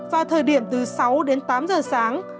vào thời điểm từ sáu đến tám giờ sáng